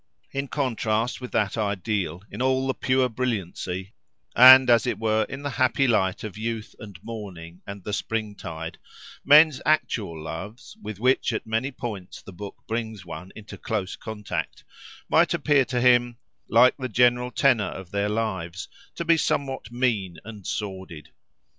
In contrast with that ideal, in all the pure brilliancy, and as it were in the happy light, of youth and morning and the springtide, men's actual loves, with which at many points the book brings one into close contact, might appear to him, like the general tenor of their lives, to be somewhat mean and sordid.